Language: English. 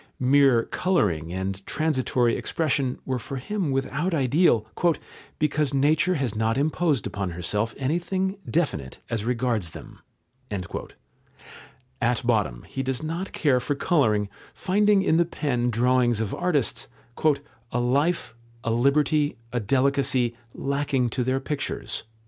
Mere colouring and transitory expression were for him without ideal, "because nature has not imposed upon herself anything definite as regards them." At bottom he does not care for colouring, finding in the pen drawings of artists "a life, a liberty, a delicacy, lacking to their pictures."